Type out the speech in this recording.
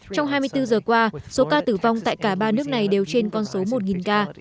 trong hai mươi bốn giờ qua số ca tử vong tại cả ba nước này đều trên con số một ca